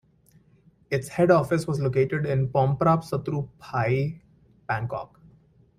Its head office was located in Pom Prap Sattru Phai, Bangkok.